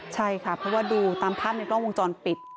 ใช่ค่ะเพราะว่าดูตามภาพในกล้องวงจรปิด